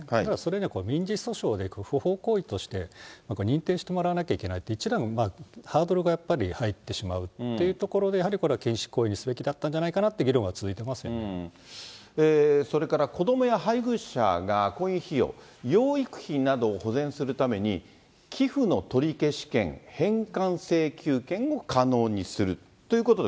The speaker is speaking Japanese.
だから、民事訴訟で不法行為として認定してもらわなきゃいけないと、一段、ハードルがやっぱり入ってしまうということで、やはりこれは禁止行為にすべきだったんじゃないかなという議論はそれから、子どもや配偶者が婚姻費用、養育費などを保全するために、寄付の取消権、返還請求権を可能にするということで、